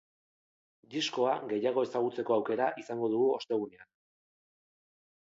Diskoa gehiago ezagutzeko aukera izango dugu ostegunean.